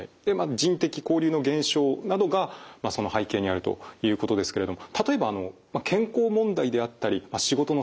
人的交流の減少などがその背景にあるということですけれども例えば健康問題であったり仕事のストレス